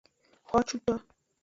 Xocuto.